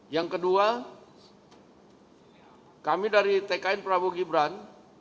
yang kedua kami dari tkn prabowo gibran